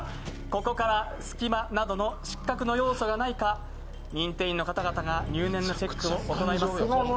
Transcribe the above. ここからすき間などの失格の要素がないか認定員の方々が入念なチェックを行います。